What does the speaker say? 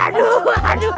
aduh aduh aduh aduh